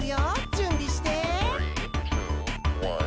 じゅんびして。